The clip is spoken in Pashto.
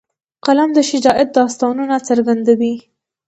قلم د شجاعت داستانونه څرګندوي